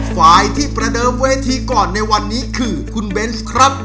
ฝ่ายที่ประเดิมเวทีก่อนในวันนี้คือคุณเบนส์ครับ